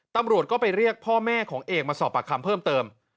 ตำรวจก็ไปเรียกพ่อแม่ของเอกมาสอบปากคำเพิ่มเติม